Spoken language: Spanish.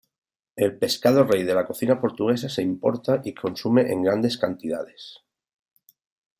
El pescado rey de la cocina portuguesa se importa y consume en grandes cantidades.